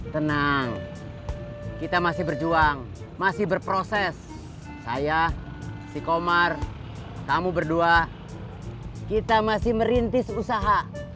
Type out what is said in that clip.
tenang kita masih berjuang masih berproses saya si komar tamu berdua kita masih merintis usaha